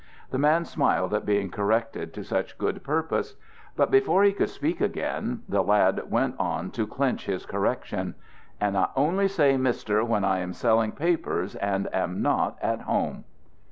The man smiled at being corrected to such good purpose; but before he could speak again, the lad went on to clinch his correction: "And I only say mister when I am selling papers and am not at home."